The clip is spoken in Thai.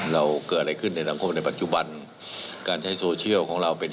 เราเกิดอะไรขึ้นในสังคมในปัจจุบัน